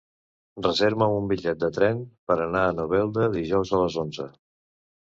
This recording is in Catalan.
Reserva'm un bitllet de tren per anar a Novelda dijous a les onze.